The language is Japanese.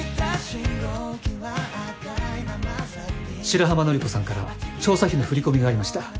白浜紀子さんから調査費の振り込みがありました。